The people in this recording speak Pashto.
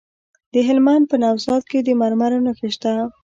د هلمند په نوزاد کې د مرمرو نښې شته.